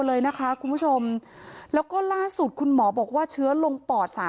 แล้วก็ล่าสุดคุณหมอบอกว่าเชื้อลงปอด